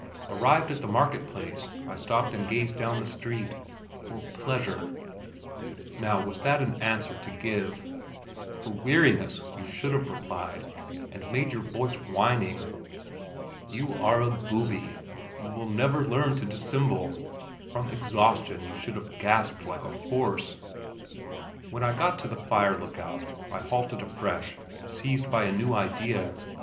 Arrived at the market place, I stopped and gazed down the street. For pleasure. Now, was that an answer to give? For weariness, you should have replied, and made your voice whining. You are a booby; you will never learn to dissemble. From exhaustion, and you should have gasped like a horse. When I got to the fire look out, I halted afresh, seized by a new idea.